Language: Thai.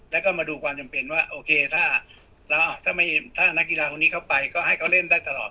แล้วก็มาดูความจำเป็นว่าโอเคถ้านักกีฬาคนนี้เข้าไปก็ให้เขาเล่นได้ตลอด